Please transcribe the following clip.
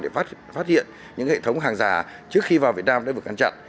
để phát hiện những hệ thống hàng giả trước khi vào việt nam đã được ngăn chặn